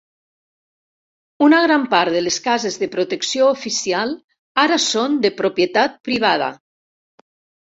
Una gran part de les cases de protecció oficial ara són de propietat privada.